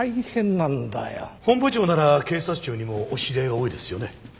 本部長なら警察庁にもお知り合い多いですよね。